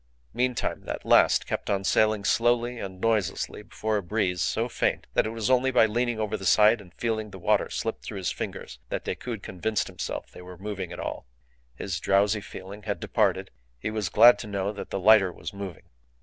Meantime, that last kept on sailing slowly and noiselessly before a breeze so faint that it was only by leaning over the side and feeling the water slip through his fingers that Decoud convinced himself they were moving at all. His drowsy feeling had departed. He was glad to know that the lighter was moving.